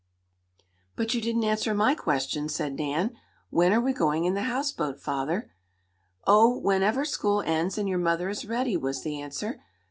"But you didn't answer my question," said Nan. "When are we going in the houseboat, father?" "Oh, whenever school ends and your mother is ready," was the answer.